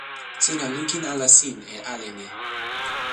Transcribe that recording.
sina lukin ala sin e ale ni.